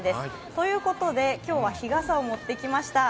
ということで、今日は日傘を持ってきました。